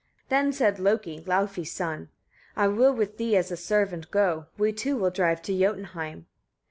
21. Then said Loki, Laufey's son: "I will with thee as a servant go: we two will drive to Jotunheim."